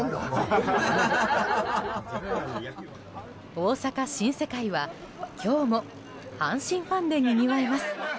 大阪・新世界は今日も阪神ファンでにぎわいます。